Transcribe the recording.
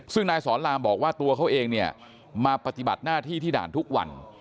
ซึ่งนายสอนรามบอกว่าตัวเขาเองเนี่ยมาปฏิบัติหน้าที่ที่ด่านทุกวัน